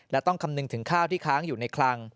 และต้องคำนึงถึงข้าวที่ค้างอยู่ในคลัง